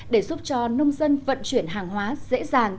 để giúp cho nông dân vận chuyển hàng hóa dễ dàng